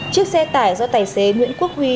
chiếc xe tải do tài xế nguyễn quốc huy